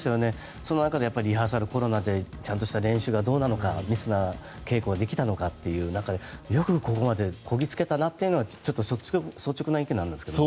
その中でリハーサル、コロナでちゃんとした練習はどうなのか密な稽古はできたのかという中でよくここまでたどり着けたなというのがちょっと率直な意見なんですが。